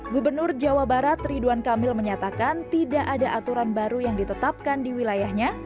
gubernur jawa barat ridwan kamil menyatakan tidak ada aturan baru yang ditetapkan di wilayahnya